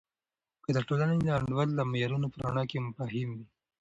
که د ټولنې د انډول د معیارونو په رڼا کې مفاهیم وي.